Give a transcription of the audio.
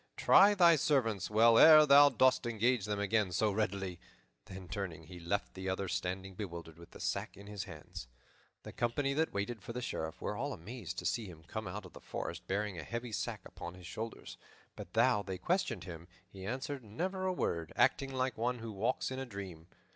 Try thy servants well ere thou dost engage them again so readily." Then, turning, he left the other standing bewildered, with the sack in his hands. The company that waited for the Sheriff were all amazed to see him come out of the forest bearing a heavy sack upon his shoulders; but though they questioned him, he answered never a word, acting like one who walks in a dream.